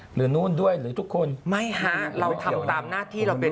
นู่นด้วยหรือทุกคนไม่ฮะเราทำตามหน้าที่เราเป็น